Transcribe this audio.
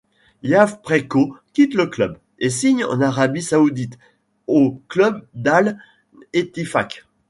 Yaw Preko quitte le club, et signe en Arabie saoudite, au club d'Al-Ettifaq.